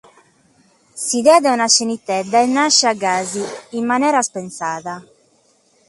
S’idea de una scenitedda est nàschida gasi, in manera spensada.